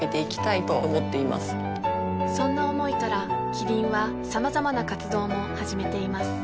そんな思いからキリンはさまざまな活動も始めています